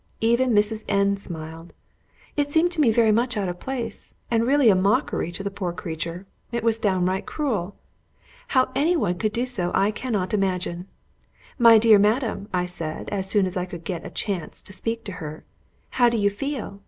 Even Mrs. N smiled. It seemed to me very much out of place, and really a mockery to the poor creature; it was downright cruel. How any one could do so I cannot imagine. 'My dear madam,' I said as soon as I could get a chance to speak to her, 'how do you feel?